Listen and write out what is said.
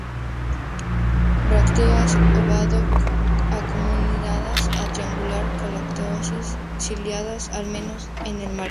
Brácteas ovado-acuminadas o triangular-lanceoladas, ciliadas al menos en el margen.